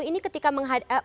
ini ketika menghadap